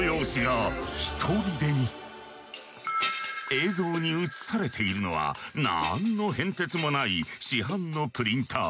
映像に映されているのは何の変哲もない市販のプリンター。